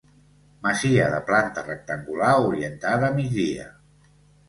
Masia de planta rectangular orientada a migdia.